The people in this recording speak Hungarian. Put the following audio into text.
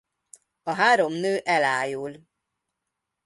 A három nő elájul.